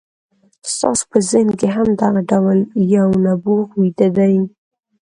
ستاسې په ذهن کې هم دغه ډول یو نبوغ ویده دی